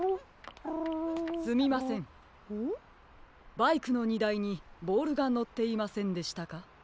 バイクのにだいにボールがのっていませんでしたか？